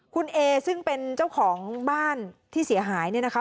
คุณเอซึ่งเป็นเจ้าของบ้านที่เสียหายเนี่ยนะคะ